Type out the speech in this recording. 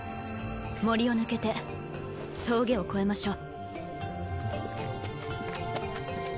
森を抜けて峠を越えましょう。